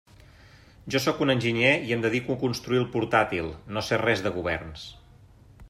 Jo sóc un enginyer i em dedico a construir el portàtil, no sé res de governs.